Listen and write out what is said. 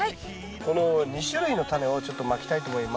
この２種類のタネをちょっとまきたいと思います。